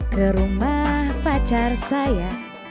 ke rumah pacar saya